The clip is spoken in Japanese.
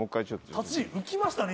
達人浮きましたね